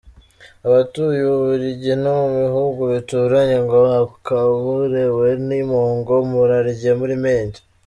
– Abatuye Ububiligi no mu bihugu bituranyi, ngo “akaburiwe ni impongo”, “Murarye muri menge”;